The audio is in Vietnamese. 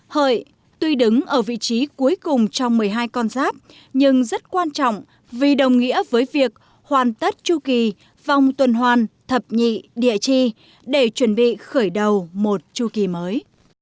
hợi tuy đứng ở vị trí cuối cùng trong một mươi hai con giáp nhưng rất quan trọng vì đồng nghĩa với việc hoàn tất chu kỳ vòng tuần hoàn thập nhị địa chi để chuẩn bị khởi đầu một chu kỳ mới